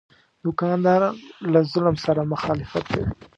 دوکاندار له ظلم سره مخالفت کوي.